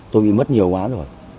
tôi bị mất nhiều quá rồi